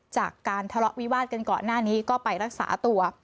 จากการทะเลาะวิวาดกันก่อนหน้านี้ก็ไปรักษาตัว